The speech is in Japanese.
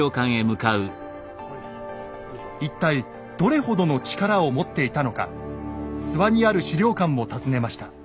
一体どれほどの力を持っていたのか諏訪にある史料館を訪ねました。